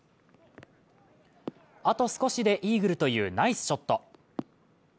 あと少しでイーグルというナイスショット。